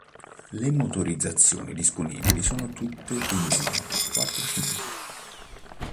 Le motorizzazioni disponibili sono tutte benzina quattro cilindri.